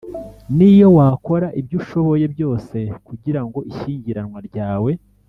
Niyo wakora ibyo ushoboye byose kugira ngo ishyingiranwa ryawe